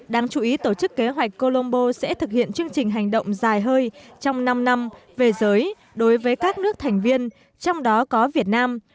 đáng chú ý tổ chức kế hoạch colombo sẽ thực hiện chương trình hành động dài hơi trong năm năm về giới đối với các nước thành viên trong đó có việt nam